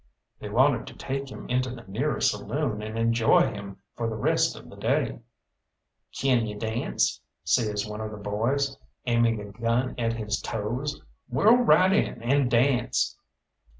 They wanted to take him into the nearest saloon and enjoy him for the rest of the day. "Kin you dance?" says one of the boys, aiming a gun at his toes. "Whirl right in and dance!"